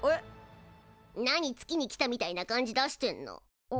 何月に来たみたいな感じ出してんの？